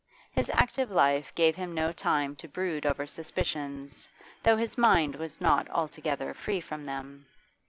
His active life gave him no time to brood over suspicions, though his mind was not altogether free from them.